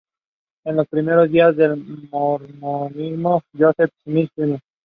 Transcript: Examples of Scaurus’ product have been uncovered as far away as modern France.